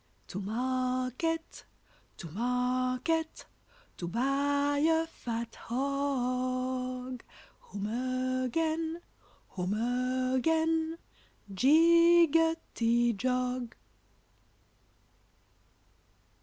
To market, to market, to buy a fat hog; Home again, home again, jiggetty jog.